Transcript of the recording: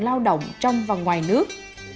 lao động trong và ngoài nước